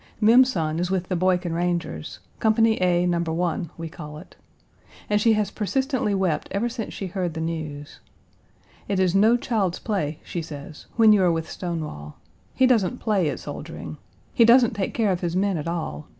Mem's son is with the Boykin Rangers; Company A, No. 1, we call it. And she has persistently wept ever since she heard the news. It is no child's play, she says, when you are with Stonewall. He doesn't play at soldiering. He doesn't take care of his men at all.